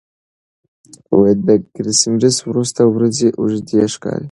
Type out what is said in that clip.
د کرېسمېس وروسته ورځې اوږدې ښکاري.